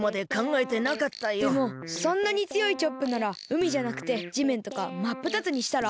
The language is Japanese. でもそんなにつよいチョップならうみじゃなくてじめんとかまっぷたつにしたら？